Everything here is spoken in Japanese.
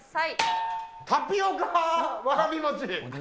タピオカわらびもち。